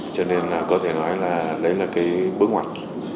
cho nên là có thể nói là đấy là cái bước ngoặt